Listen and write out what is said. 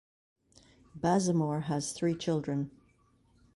Bazemore has three children.